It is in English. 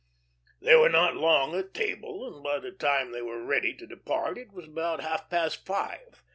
They were not long at table, and by the time they were ready to depart it was about half past five.